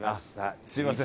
すみません。